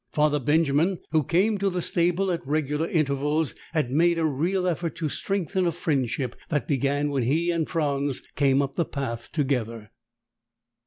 Father Benjamin, who came to the stable at regular intervals, had made a real effort to strengthen a friendship that began when he and Franz came up the path together.